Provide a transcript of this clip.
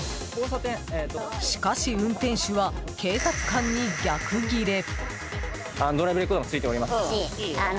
しかし運転手は警察官に逆ギレ。